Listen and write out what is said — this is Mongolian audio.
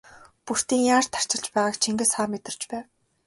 Бөртийн яаж тарчилж байгааг Чингис хаан мэдэрч байв.